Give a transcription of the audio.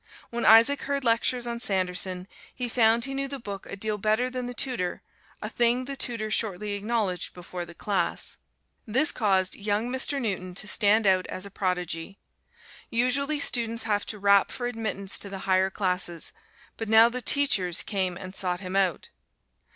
When Isaac heard lectures on Sanderson he found he knew the book a deal better than the tutor, a thing the tutor shortly acknowledged before the class. This caused young Mr. Newton to stand out as a prodigy. Usually students have to rap for admittance to the higher classes, but now the teachers came and sought him out.